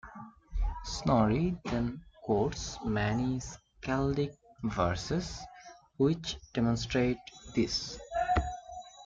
Snorri then quotes many skaldic verses which demonstrate this.